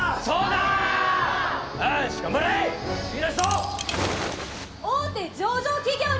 そうだー！